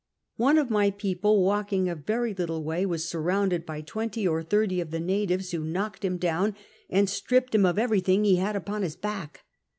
One of iny people, walking a very little way, was sur rounded by twenty or thirty of the natives, wlio knocked liim down and stn])pcd liim of everything be liad upon liis back.